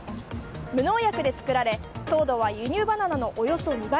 無農薬で作られ糖度は輸入バナナのおよそ２倍。